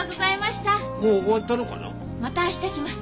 また明日来ます。